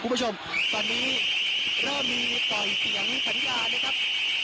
คุณผู้ชมตอนนี้เริ่มมีต่อยเสียงสัญญานะครับ